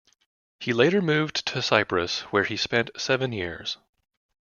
He later moved to Cyprus where he spent seven years.